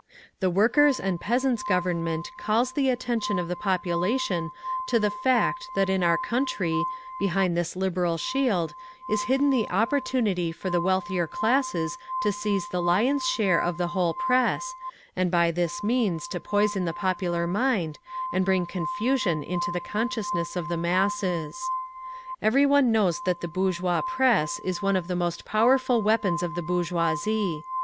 The Workers' and Peasants' Government calls the attention of the population to the fact that in our country, behind this liberal shield, is hidden the opportunity for the wealthier classes to seize the lion's share of the whole press, and by this means to poison the popular mind and bring confusion into the consciousness of the masses. Every one knows that the bourgeois press is one of the most powerful weapons of the bourgeoisie.